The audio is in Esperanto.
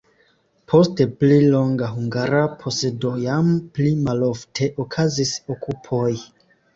Post pli longa hungara posedo jam pli malofte okazis okupoj.